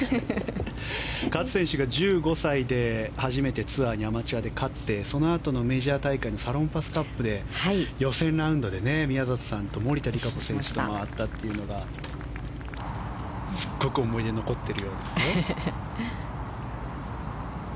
勝選手が１５歳で初めてツアーでアマチュアで勝ってそのあとのメジャー大会サロンパスカップで予選ラウンドで宮里さんと森田理香子選手と回ったというのがすごく思い出に残っているようですよ。